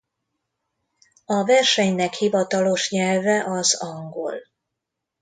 A versenynek hivatalos nyelve az angol.